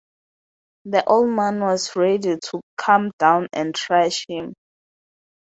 The old man was ready to come down and thrash him.